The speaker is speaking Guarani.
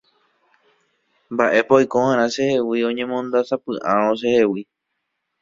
Mba'épa oikova'erã chehegui oñemondasapy'árõ chehegui